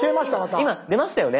今出ましたよね。